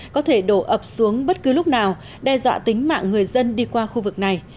có thể đổ ập xuống bất cứ lúc nào đe dọa tính mạng người dân đi qua khu vực này